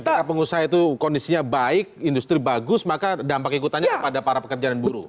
ketika pengusaha itu kondisinya baik industri bagus maka dampak ikutannya kepada para pekerja dan buruh